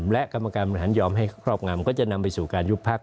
และกรรมการบริหารยอมให้ครอบงำก็จะนำไปสู่การยุบพัก